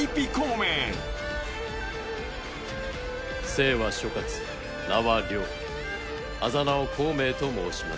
「姓は諸葛名は亮あざなを孔明と申します」